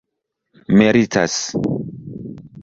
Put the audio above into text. meritas